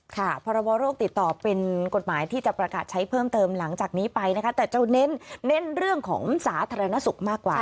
พรบโรคติดต่อเป็นกฎหมายที่จะประกาศใช้เพิ่มเติมหลังจากนี้ไปนะคะแต่จะเน้นเรื่องของสาธารณสุขมากกว่า